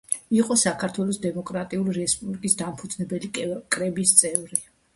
იყო საქართველოს დემოკრატიული რესპუბლიკის დამფუძნებელი კრების წევრი.